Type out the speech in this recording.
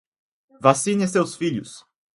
Vacine seus filhos